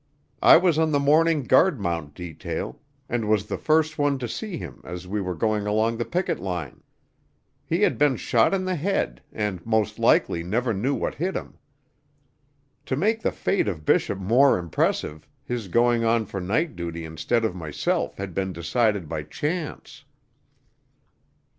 I was on the morning guard mount detail, and was the first one to see him as we were going along the picket line. He had been shot in the head, and most likely never knew what hit him. To make the fate of Bishop more impressive his going on for night duty instead of myself had been decided by chance."